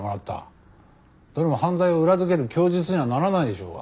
どれも犯罪を裏付ける供述にはならないでしょうが。